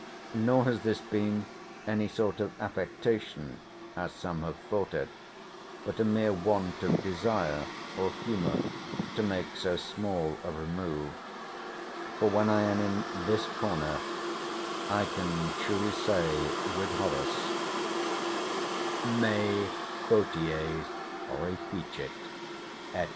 Nor has this been any sort of affectation, as some have thought it, but a mere want of desire or humour to make so small a remove; for when I am in this corner, I can truly say with Horace, Me quoties reficit, &c.